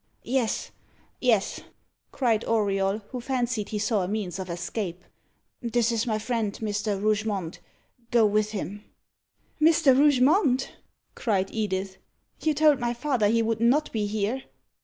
"Yes yes," cried Auriol, who fancied he saw a means of escape. "This is my friend, Mr. Rougemont go with him." "Mr. Rougemont!" cried Edith. "You told my father he would not be here."